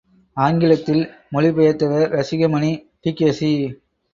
ஆங்கிலத்தில் மொழி பெயர்த்தவர் ரசிகமணி டி.கே.சி.